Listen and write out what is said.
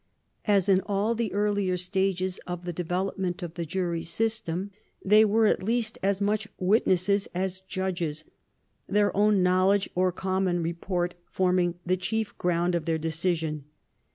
As in all the earlier stages of the development of the jury system, they were at least as much witnesses as judges — their own knowl edge or common report forming the chief ground of their decision.